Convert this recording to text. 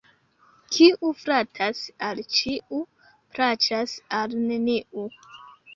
Kiu flatas al ĉiu, plaĉas al neniu.